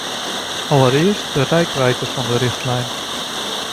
Allereerst de reikwijdte van de richtlijn.